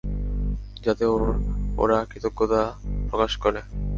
যাতে ওরা কৃতজ্ঞতা প্রকাশ করে।